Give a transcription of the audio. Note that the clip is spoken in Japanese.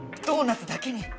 ドーナツだけに。